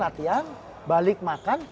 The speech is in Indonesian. latihan balik makan